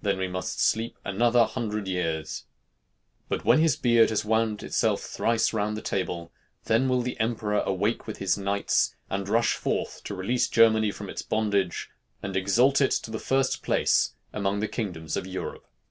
"Then we must sleep another hundred years." But when his beard has wound itself thrice round the table, then will the emperor awake with his knights, and rush forth to release Germany from its bondage, and exalt it to the first place among the kingdoms of Europe.